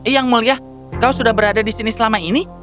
yang mulia kau sudah berada di sini selama ini